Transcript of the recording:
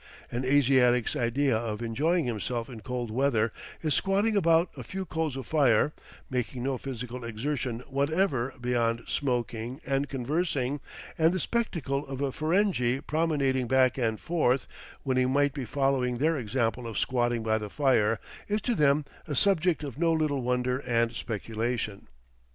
An Asiatic's idea of enjoying himself in cold weather is squatting about a few coals of fire, making no physical exertion whatever beyond smoking and conversing; and the spectacle of a Ferenghi promenading back and forth, when he might be following their example of squatting by the fire, is to them a subject of no little wonder and speculation.